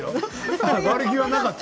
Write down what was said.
悪気はなかった。